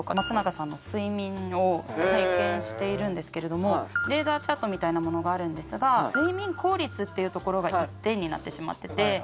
松永さんの睡眠を拝見しているんですけれどもレーダーチャートみたいなものがあるんですが睡眠効率っていうところが１点になってしまってて。